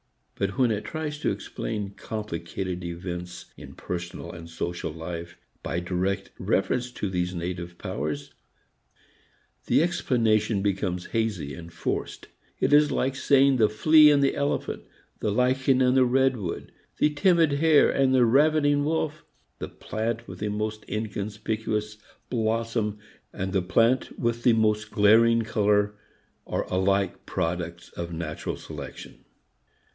But when it tries to explain complicated events in personal and social life by direct reference to these native powers, the explanation becomes hazy and forced. It is like saying the flea and the elephant, the lichen and the redwood, the timid hare and the ravening wolf, the plant with the most inconspicuous blossom and the plant with the most glaring color are alike products of natural selection.